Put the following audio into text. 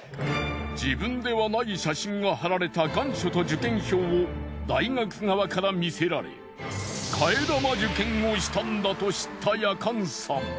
自分ではない写真が貼られた願書と受験票を大学側から見せられ替え玉受験をしたんだと知ったやかんさん。